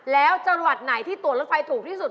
แล้วจังหวัดไหนที่ตรวจรถไฟถูกที่สุด